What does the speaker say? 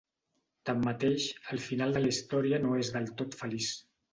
Tanmateix, el final de la història no és del tot feliç.